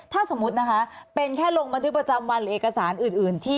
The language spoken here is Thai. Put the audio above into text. ถ้าสมมุตินะคะเป็นแค่ลงบันทึกประจำวันหรือเอกสารอื่นที่